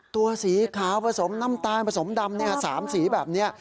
ตัวสีขาวผสมน้ำตาลผสมดำ๓สีแบบนี้